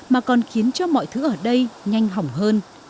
mà còn khiến cho mọi thứ ở đây nhanh hỏng hơn